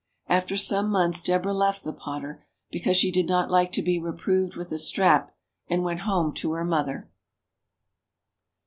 After some months, Deborah left the potter, because she did not like to be reproved with a strap, and went home to her mother.